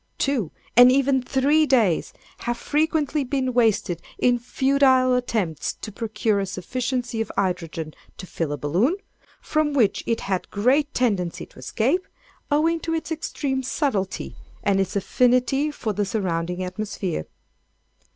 Two, and even three days, have frequently been wasted in futile attempts to procure a sufficiency of hydrogen to fill a balloon, from which it had great tendency to escape, owing to its extreme subtlety, and its affinity for the surrounding atmosphere.